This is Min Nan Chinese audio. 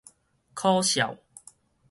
考數